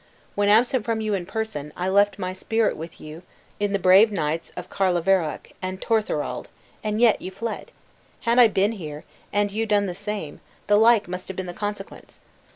When absent from you in person, I left my spirit with you in the brave Knights of Carlaveroch and Torthorald, and yet you fled. Had I been here, and you done the same, the like must have been the consequence.